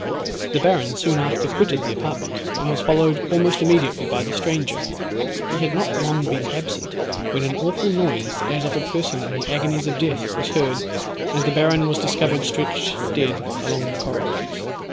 The baron soon after quitted the apartment, and was followed almost immediately by the stranger. He had not long been absent, when an awful noise, as of a person in the agonies of death, was heard, and the Baron was discovered stretched dead along the corridors.